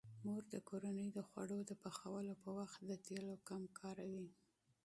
مور د کورنۍ د خوړو د پخولو په وخت د تیلو کم کاروي.